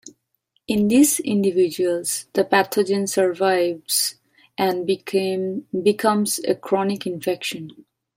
In these individuals the pathogen survives and becomes a chronic infection.